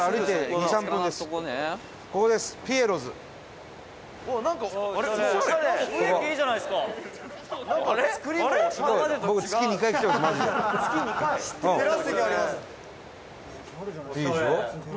伊達：いいでしょ？